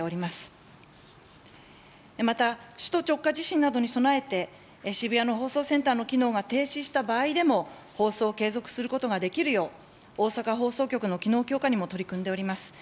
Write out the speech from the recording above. また、首都直下地震などに備えて、渋谷の放送センターの機能が停止した場合でも、放送を継続することができるよう、大阪放送局の機能強化にも取り組んでおります。